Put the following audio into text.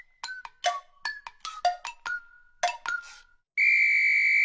ピッ！